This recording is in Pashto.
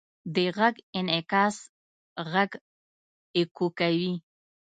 د غږ انعکاس غږ اکو کوي.